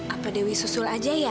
apa dewi susul aja ya